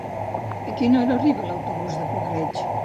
A quina hora arriba l'autobús de Puig-reig?